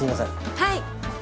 はい。